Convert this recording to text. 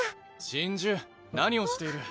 真珠何をしている？